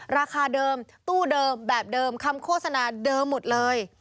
ราคาเดิมตู้เดิมแบบเดิมคำโฆษณาเดิมหมดเลย